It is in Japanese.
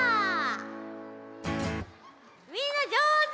みんなじょうず！